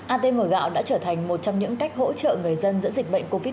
atm gạo đã trở thành một trong những cách hỗ trợ người dân giữa dịch bệnh covid một mươi chín